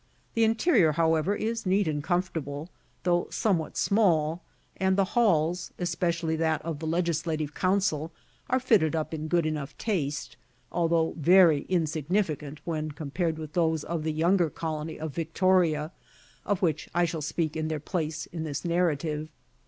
The interior, however, is neat and comfortable, though somewhat small, and the halls, especially that of the Legislative Council, are fitted up in good enough taste, although very insignificant when compared with those of the younger colony of Victoria, of which I shall speak in their place in this narrative.